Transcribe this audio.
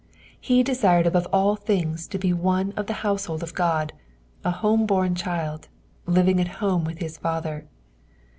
He desired, above all things to be one of the household of Qod, a home bom child, living at home vith his father.